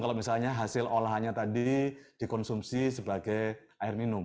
kalau misalnya hasil olahannya tadi dikonsumsi sebagai air minum